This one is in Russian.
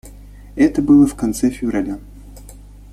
Это было в конце февраля.